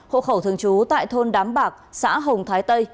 hộ khẩu thường trú tại thôn đám bạc xã hồng thái tây